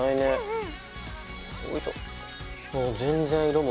うん。